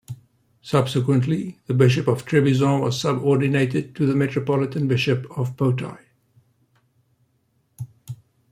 Subsequently, the Bishop of Trebizond was subordinated to the Metropolitan Bishop of Poti.